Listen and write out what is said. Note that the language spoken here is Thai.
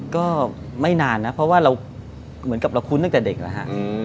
ก็ไม่นานนะเพราะว่าเราเหมือนกับเราคุ้นตั้งแต่เด็กแล้วฮะ